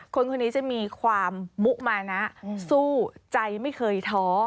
คนคนนี้จะมีความมุมานะสู้ใจไม่เคยท้อ